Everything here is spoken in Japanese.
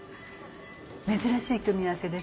珍しい組み合わせですね。